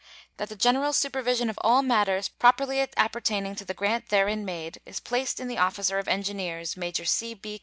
That the general supervision of all matters properly appertaining to the grant therein made is placed in the officer of engineers, Major C.